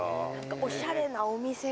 おしゃれなお店がね。